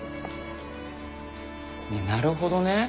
なるほどね。